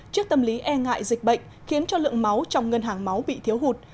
trước tâm lý e ngại dịch bệnh khiến cho lượng máu trong ngân hàng máu bị thiếu hụt